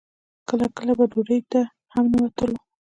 کله کله به ډوډۍ ته هم نه وتلو.